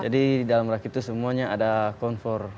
jadi di dalam rakit itu semuanya ada konfor